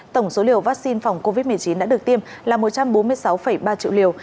tổng số liều vaccine phòng covid một mươi chín đã được tiêm là một trăm bốn mươi sáu ba triệu liều